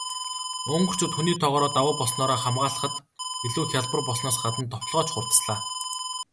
Унгарчууд хүний тоогоор давуу болсноороо хамгаалахад илүү хялбар болсноос гадна довтолгоо ч хурдаслаа.